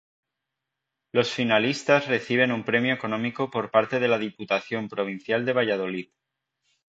Los finalistas reciben un premio económico por parte de la Diputación Provincial de Valladolid.